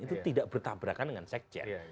itu tidak bertabrakan dengan sekjen